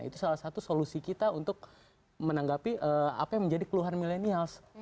itu salah satu solusi kita untuk menanggapi apa yang menjadi keluhan milenials